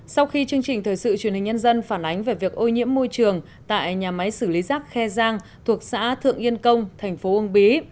sau khi chương trình thời sự truyền hình nhân dân phản ánh về việc ô nhiễm môi trường tại nhà máy xử lý rác khe giang thuộc xã thượng yên công thành phố uông bí